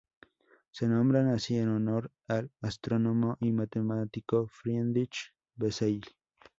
Se nombran así en honor al astrónomo y matemático Friedrich Bessel.